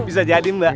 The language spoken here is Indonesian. bisa jadi mbak